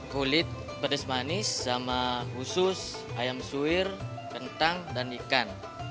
kulit pedes manis sama usus ayam suir kentang dan ikan